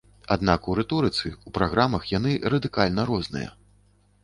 Аднак у рыторыцы, у праграмах яны радыкальна розныя.